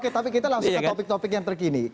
oke tapi kita langsung ke topik topik yang terkini